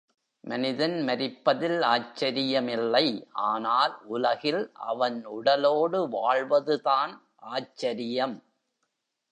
மனிதன் மரிப்பதில் ஆச்சரியமில்லை ஆனால் உலகில் அவன் உடலோடு வாழ்வது தான் ஆச்சரியம்.